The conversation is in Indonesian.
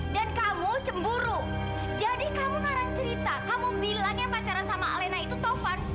dan kamu cemburu jadi kamu ngarang cerita kamu bilang yang pacaran sama alina itu taufan